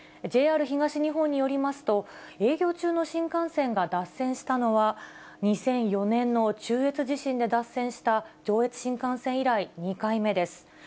ＪＲ東日本によりますと、営業中の新幹線が脱線したのは２００４年の中越地震で脱線した上越新幹線以来２回目です。